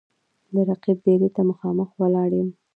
د رقیب دېرې ته مـــخامخ ولاړ یـــــم